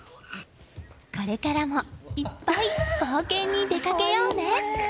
これからもいっぱい冒険に出かけようね。